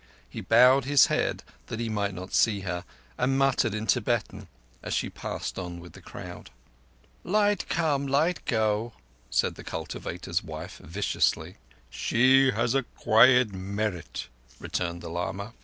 He bowed his head that he might not see her, and muttered in Tibetan as she passed on with the crowd. "Light come—light go," said the cultivator's wife viciously. "She has acquired merit," returned the lama.